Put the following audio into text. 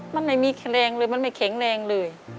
มันไม่มีแข็งแรงเลยมันไม่แข็งแรงเลย